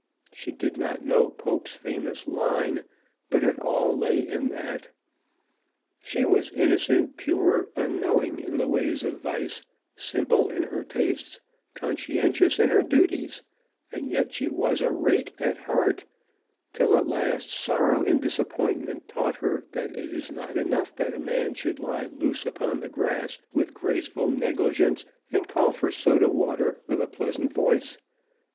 She did not know Pope's famous line, but it all lay in that. She was innocent, pure, unknowing in the ways of vice, simple in her tastes, conscientious in her duties, and yet she was a rake at heart, till at last sorrow and disappointment taught her that it is not enough that a man should lie loose upon the grass with graceful negligence and call for soda water with a pleasant voice.